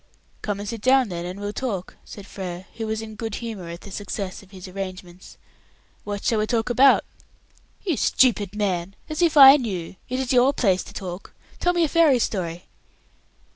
"Come and sit down then," said Frere, who was in good humour at the success of his arrangements. "What shall we talk about?" "You stupid man! As if I knew! It is your place to talk. Tell me a fairy story."